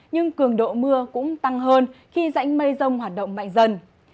nhưng cường độ mưa cũng tăng hơn khi rãnh mây rông hoạt động mạnh dần